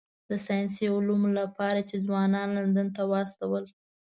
د ساینسي علومو لپاره یې ځوانان لندن ته واستول.